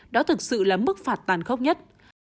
đó thực sự là mức phạt tàn khốc nhất